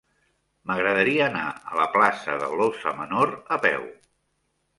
M'agradaria anar a la plaça de l'Óssa Menor a peu.